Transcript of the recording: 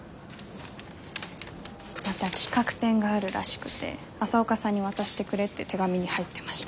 また企画展があるらしくて朝岡さんに渡してくれって手紙に入ってました。